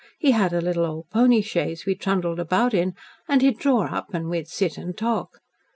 He had a little old pony chaise we trundled about in, and he'd draw up and we'd sit and talk.